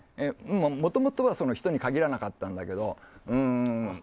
もともとは人に限らなかったんだけど。